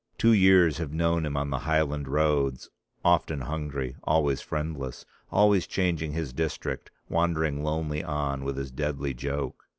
Two years have known him on the Highland roads, often hungry, always friendless, always changing his district, wandering lonely on with his deadly joke.